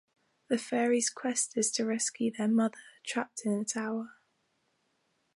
The fairies' quest is to rescue their mother, trapped in a tower.